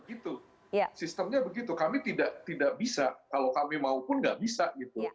sistemnya begitu sistemnya begitu kami tidak bisa kalau kami maupun tidak bisa gitu